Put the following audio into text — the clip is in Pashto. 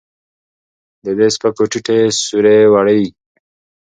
د دې سپکو ټيټې سورې وړي